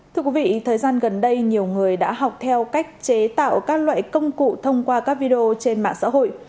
thưa quý vị thời gian gần đây nhiều người đã học theo cách chế tạo các loại công cụ thông qua các video trên mạng xã hội